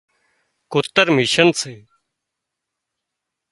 ڪُتر مشينَ سي